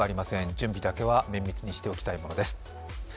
準備だけは綿密にしておきたいところです。